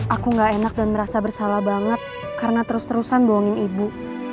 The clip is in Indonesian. aku gak enak dan merasa bersalah banget karena terus terusan bohongin ibu